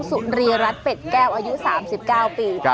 สุรีรัฐเป็ดแก้วอายุ๓๙ปี